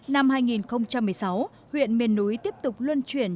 năm hai nghìn một mươi sáu huyện miền núi tiếp tục luân chuyển